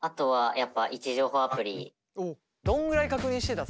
どんぐらい確認してた？